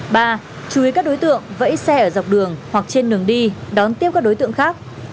ba chú ý các đối tượng vẫy xe ở dọc đường hoặc trên đường đi đón tiếp các đối tượng khác